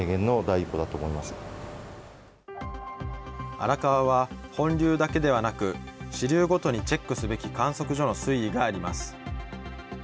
荒川は本流だけではなく支流ごとにチェックすべき観測所の水位があります。